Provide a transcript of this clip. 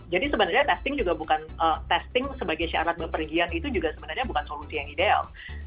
jadi sebenarnya testing sebagai syarat bepergian itu juga sebenarnya bukan solusi yang ideal